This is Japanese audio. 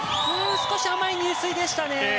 少し甘い入水でしたね。